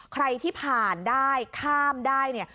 ใครที่ผ่านได้ข้ามได้เนี่ย